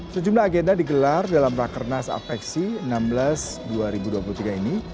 sejumlah agenda digelar dalam rakernas apexi enam belas dua ribu dua puluh tiga ini